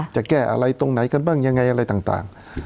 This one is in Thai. จะแก้อะไรตรงไหนกันบ้างยังไงอะไรต่าง